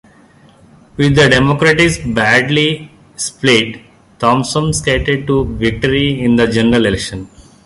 With the Democrats badly split, Thompson skated to victory in the general election.